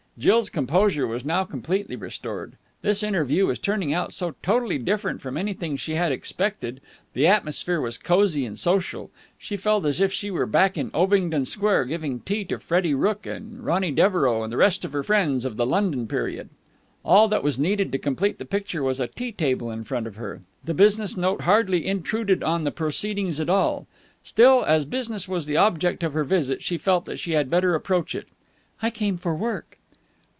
Jill's composure was now completely restored. This interview was turning out so totally different from anything she had expected. The atmosphere was cosy and social. She felt as if she were back in Ovingdon Square, giving tea to Freddie Rooke and Ronny Devereux and the rest of her friends of the London period. All that was needed to complete the picture was a tea table in front of her. The business note hardly intruded on the proceedings at all. Still, as business was the object of her visit, she felt that she had better approach it. "I came for work."